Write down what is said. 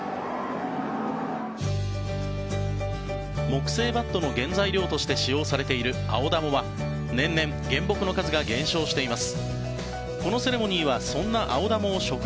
木製バットの原材料として使用されているアオダモは年々、原木の数が減少しています。